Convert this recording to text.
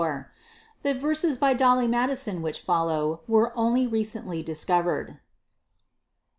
The verses by Dolly Madison which follow were only recently discovered.